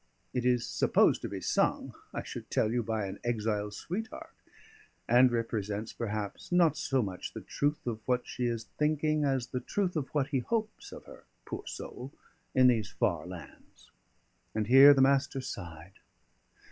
It is supposed to be sung, I should tell you, by an exile's sweetheart; and represents perhaps not so much the truth of what she is thinking, as the truth of what he hopes of her, poor soul! in these far lands." And here the Master sighed.